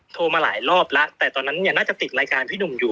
โทรมาหลายรอบแล้วแต่ตอนนั้นเนี่ยน่าจะติดรายการพี่หนุ่มอยู่